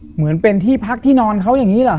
เหมือนเป็นที่พักที่นอนเขาอย่างนี้เหรอ